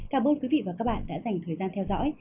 cảm ơn quý vị và các bạn đã dành thời gian theo dõi